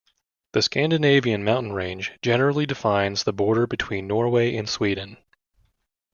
The Scandinavian mountain range generally defines the border between Norway and Sweden.